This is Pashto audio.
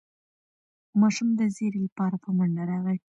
ماشوم د زېري لپاره په منډه راغی.